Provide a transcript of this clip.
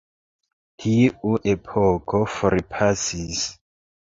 Tiu epoko forpasis.